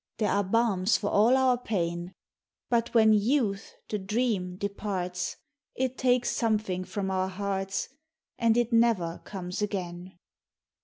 There are balms for all our pain. Hut when youth, the dream, departs, It takes something from our hearts. And it never comes again.